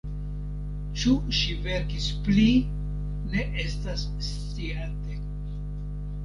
Ĉu ŝi verkis pli, ne estas sciate.